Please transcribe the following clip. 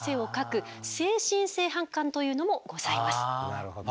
なるほど。